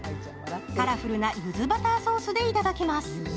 カラフルなゆずバターソースでいただきます。